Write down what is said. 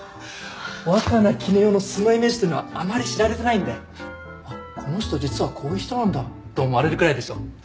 若菜絹代の素のイメージってのはあまり知られてないんで「あっこの人実はこういう人なんだ」と思われるぐらいでしょ。